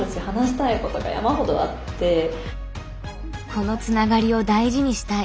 このつながりを大事にしたい。